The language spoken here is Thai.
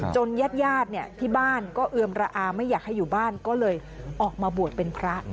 ญาติญาติที่บ้านก็เอือมระอาไม่อยากให้อยู่บ้านก็เลยออกมาบวชเป็นพระ